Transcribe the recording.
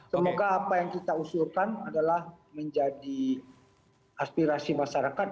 semoga apa yang kita usulkan adalah menjadi aspirasi masyarakat